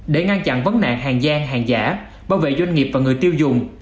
để ngăn chặn vấn nạn hàng giang hàng giả bảo vệ doanh nghiệp và người tiêu dùng